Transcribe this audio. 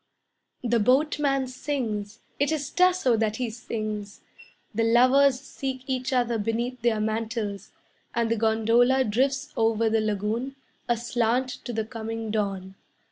The boatman sings, It is Tasso that he sings; The lovers seek each other beneath their mantles, And the gondola drifts over the lagoon, aslant to the coming dawn.